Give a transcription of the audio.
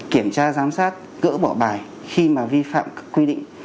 kiểm tra giám sát gỡ bỏ bài khi mà vi phạm các quy định